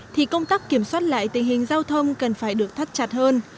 thì công tác kiểm soát lại tình hình giao thông cần phải được thắt chặt hơn